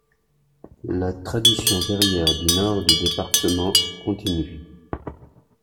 La tradition verrière du nord du département continue.